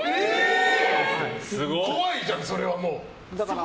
怖いじゃん、それはもう。